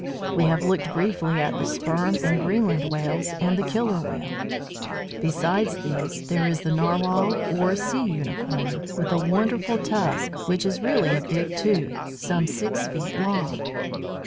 We have looked briefly at the Sperm and Greenland Whales, and the Killer Whale. Besides these there is the Narwhal, or Sea unicorn, with a wonderful tusk, which is really a big tooth, some six feet long.